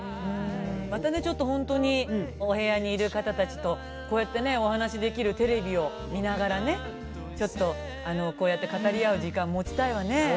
またねちょっとほんとにお部屋にいる方たちとこうやってねお話しできるテレビを見ながらねちょっとこうやって語り合う時間持ちたいわね。